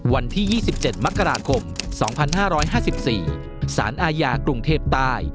วันที่๒๗มกราคม๒๕๕๔สารอาญากรุงเทพใต้